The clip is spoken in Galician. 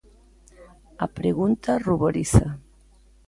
A pregunta ruboriza.